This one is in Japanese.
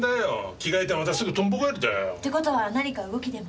着替えてまたすぐトンボ返りだよ。って事は何か動きでも？